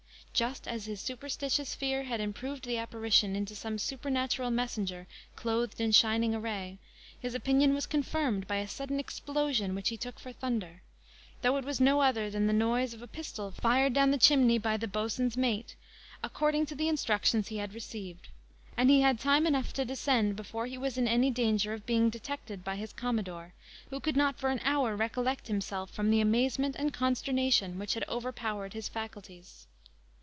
Just as his superstitious fear had improved the apparition into some supernatural messenger clothed in shining array, his opinion was confirmed by a sudden explosion, which he took for thunder, though it was no other than the noise of a pistol fired down the chimney by the boatswain's mate, according to the instructions he had received; and he had time enough to descend before he was in any danger of being detected by his commodore, who could not for an hour recollect himself from the amazement and consternation which had overpowered his faculties.